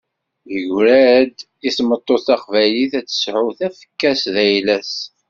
Yegra-d i tmeṭṭut taqbaylit, ad tesεu tafekka-s d ayla-s.